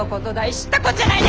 知ったこっちゃないね！